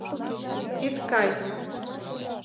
— Ит кай...